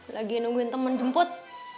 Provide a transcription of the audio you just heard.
lagi nungguin temen jemput